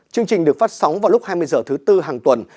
chương trình được phát sóng vào lúc hai mươi h thứ tư hàng tuần